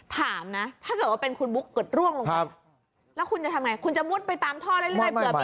ถามนะถ้าเกิดว่าเป็นคุณบุ๊กเกิดร่วงลงไปแล้วคุณจะทำไงคุณจะมุดไปตามท่อเรื่อย